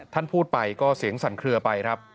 ท่านพูดไปก็เสียงสั่นเคลือไปครับ